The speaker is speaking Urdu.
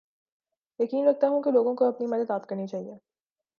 یقین رکھتا ہوں کے لوگوں کو اپنی مدد آپ کرنی چاھیے